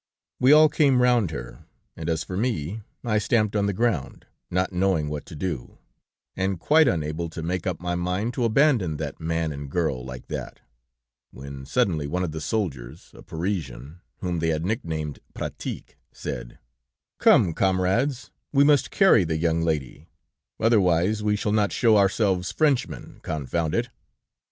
We all came round her, and as for me, I stamped on the ground, not knowing what to do, and quite unable to make up my mind to abandon that man and girl like that, when suddenly one of the soldiers, a Parisian, whom they had nicknamed Pratique, said: "'Come, comrades, we must carry the young lady, otherwise we shall not show ourselves Frenchmen, confound it!'